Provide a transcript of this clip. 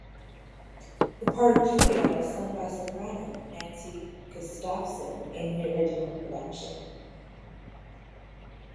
The part of Julia was sung by soprano Nancy Gustafson in the original production.